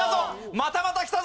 またまたきたぞ！